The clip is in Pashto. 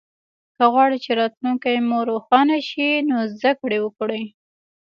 که غواړی چه راتلونکې مو روښانه شي نو زده ګړې وکړئ